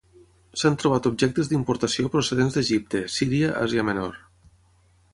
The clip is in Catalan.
S'han trobat objectes d'importació procedents d'Egipte, Síria, Àsia Menor.